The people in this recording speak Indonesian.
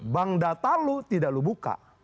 bank data lo tidak lu buka